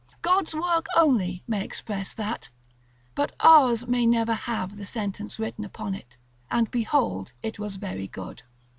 God's work only may express that; but ours may never have that sentence written upon it, "And behold, it was very good."